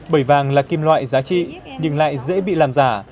bởi vàng là kim loại giá trị nhưng lại dễ bị làm giả